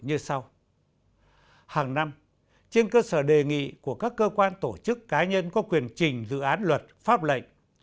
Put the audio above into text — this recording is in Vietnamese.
như sau hàng năm trên cơ sở đề nghị của các cơ quan tổ chức cá nhân có quyền trình dự án luật pháp lệnh